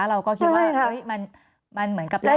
เราก็คิดว่ามันเหมือนกับแรกกันเนาะ